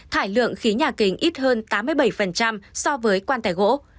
thải lượng khí nhà kính ít hơn tám mươi bảy so với quan tài gỗ